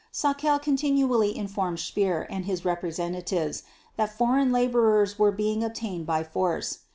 Sauckel continually informed Speer and his representatives that foreign laborers were being obtained by force.